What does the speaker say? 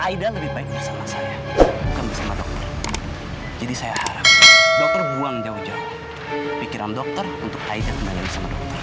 aida lebih baik bersama saya bukan bersama dokter jadi saya harap dokter buang jauh jauh pikiran dokter untuk aida kembali bersama dokter